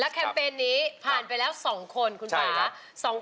และแคมเปญนี้ผ่านไปแล้ว๒คนคุณฟ้าใช่ครับ